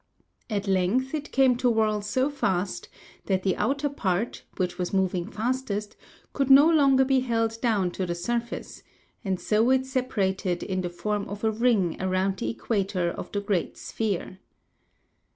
At length it came to whirl so fast that the outer part, which was moving fastest, could no longer be held down to the surface, and so it separated in the form of a ring around the equator of the great sphere.